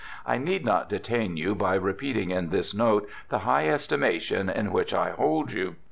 I need not detain you by repeating in this note the high estimation in which I hold you.